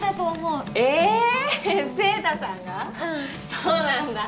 うんそうなんだ